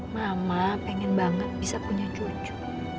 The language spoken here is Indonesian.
mama pengen banget bisa punya cucu